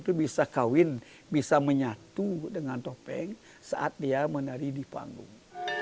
yang bisa menyatu dengan topeng saat dia menari di panggung